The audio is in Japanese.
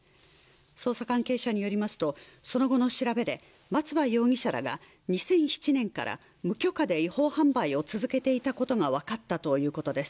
捜査関係者によりますとその後の調べで松葉容疑者らが２００７年から無許可で違法販売を続けていたことが分かったということです